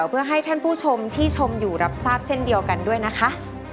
เพื่อให้ท่านผู้ชมที่ชมอยู่รับทราบเช่นเดียวกันด้วยนะคะ